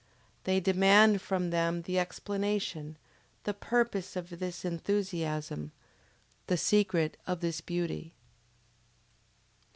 They demand from them the explanation, the purpose of this enthusiasm, the secret of this beauty!